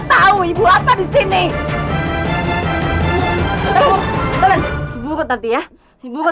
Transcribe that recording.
saya sudah menyentuhnya